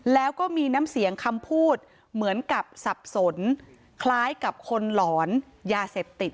แล้วก็มีน้ำเสียงคำพูดเหมือนกับสับสนคล้ายกับคนหลอนยาเสพติด